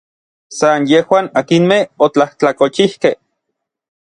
San yejuan akinmej otlajtlakolchijkej.